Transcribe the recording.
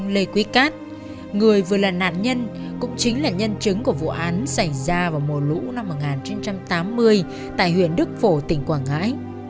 lê quý cát người vừa là nạn nhân cũng chính là nhân chứng của vụ án xảy ra vào mùa lũ năm một nghìn chín trăm tám mươi tại huyện đức phổ tỉnh quảng ngãi